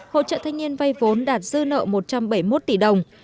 hỗ trợ thanh niên vay vốn đạt dư nợ một trăm bảy mươi một tỷ đồng